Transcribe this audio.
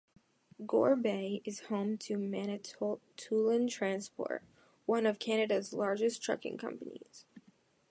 Gore Bay is home to Manitoulin Transport, one of Canada's largest trucking companies.